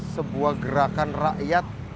sebuah gerakan rakyat